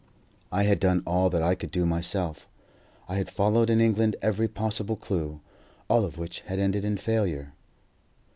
I had done all that I could do myself. I had followed in England every possible clue, all of which had ended in failure.